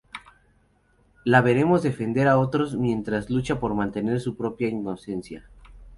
La veremos defender a otros mientras lucha por mantener su propia inocencia".